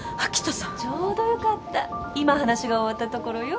ちょうどよかった今話が終わったところよ。